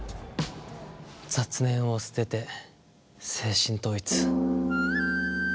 雑念を捨てて精神統一。